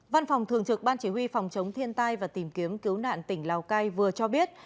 văn phòng thường trực ban chỉ huy phòng chống thiên tai và tìm kiếm cứu nạn tỉnh lào cai vừa cho biết